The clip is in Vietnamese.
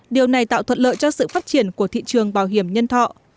điều này tạo thuận lợi cho sự phát triển của thị trường bảo hiểm nhân thọ